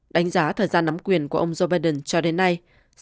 đánh giá thời gian nắm quyền của ông joe biden cho đến nay